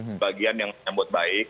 sebagian yang menembut baik